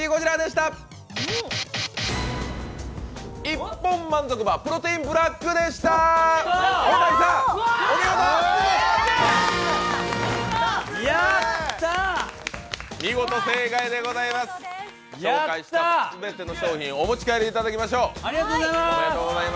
紹介した全ての商品お持ち帰りいただきましょう。